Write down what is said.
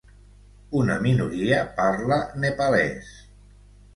Una minoria parla nepalès.